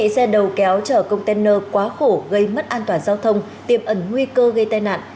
xe đầu kéo chở container quá khổ gây mất an toàn giao thông tiêm ẩn nguy cơ gây tai nạn